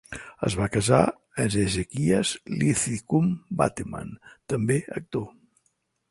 Es va casar amb Hezekiah Linthicum Bateman, també actor.